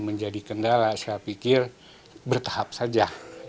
kebanyakan kandang kandang yang saya pikir bertahap saja